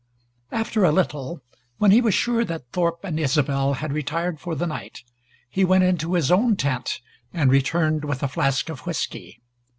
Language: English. After a little, when he was sure that Thorpe and Isobel had retired for the night, he went into his own tent and returned with a flask of whisky.